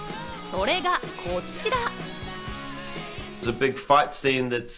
それがこちら！